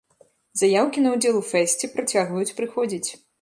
Заяўкі на ўдзел у фэсце працягваюць прыходзіць.